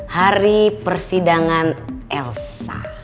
hari persidangan elsa